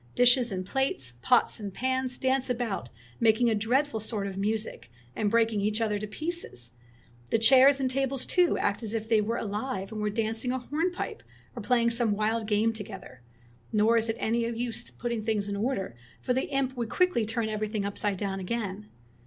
Dishes and plates, pots and pans, dance about, making a dreadful sort of music, and breaking each other to pieces. The chairs and tables, too, act as if they were alive and were dancing a hornpipe or playing some wild game together. 19 Fairy Tale Bears Nor is it of any use putting things in order, for the imp would quickly turn everything upside down again.